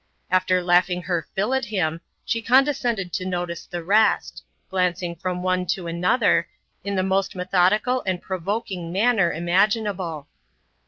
After laughing her fill at him, she Condescended to notice the rest ; glancing from one to another, in the most methodical and provoking manner imaginable.